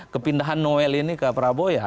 kepindahan noel ini ke praboya